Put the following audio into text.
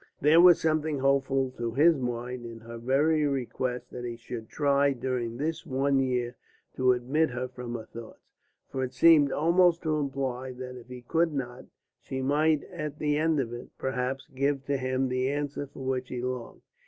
There was something hopeful to his mind in her very request that he should try during this one year to omit her from his thoughts. For it seemed almost to imply that if he could not, she might at the end of it, perhaps, give to him the answer for which he longed.